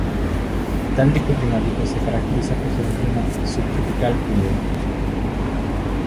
Tal tipo climático se caracteriza por ser un clima subtropical húmedo.